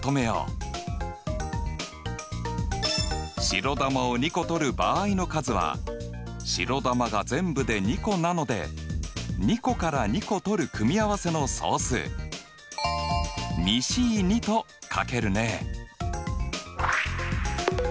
白球を２個取る場合の数は白球が全部で２個なので２個から２個取る組み合わせの総数と書けるね。